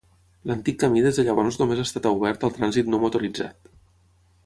L'antic camí des de llavors només ha estat obert al trànsit no motoritzat.